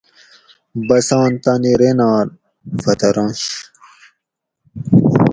بسان تانی رینار فترانش